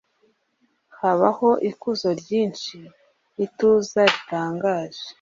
Habaho ikuzo ryinshi, ituza ritangaje.